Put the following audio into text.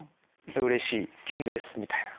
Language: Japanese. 「うれしいキュンです」みたいな。